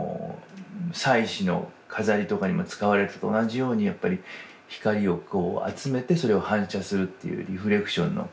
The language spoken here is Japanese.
祭祀の飾りとかにも使われてたと同じようにやっぱり光をこう集めてそれを反射するというリフレクションの効果があるので。